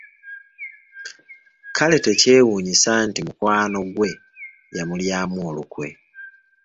Kale tekyewunyisa nti mukwano gwe y'amulyamu olukwe.